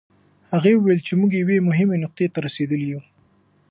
هغې وویل چې موږ یوې مهمې نقطې ته رسېدلي یوو.